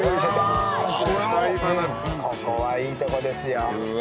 ここはいいとこですよ。